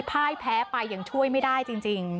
พ่ายแพ้ไปยังช่วยไม่ได้จริง